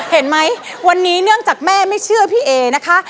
เห็นไหมวันนี้เนื่องจากแม่ไม่เชื่อพี่เอนะคะ